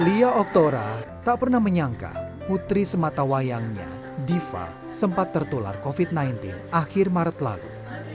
lia oktora tak pernah menyangka putri sematawayangnya diva sempat tertular covid sembilan belas akhir maret lalu